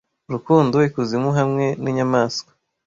urukundo ikuzimu hamwe ninyamaswa